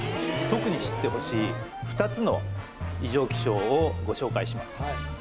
特に知ってほしい２つの異常気象をご紹介します